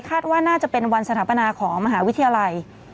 ว่าน่าจะเป็นวันสถาปนาของมหาวิทยาลัย